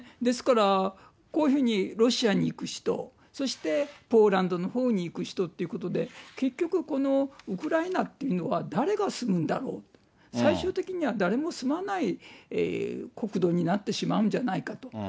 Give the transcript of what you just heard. ですから、こういうふうにロシアに行く人、そしてポーランドのほうに行く人ということで、結局このウクライナっていうのは、誰が住むんだろう、最終的には誰も住まない国土になってしまうんじゃないかと。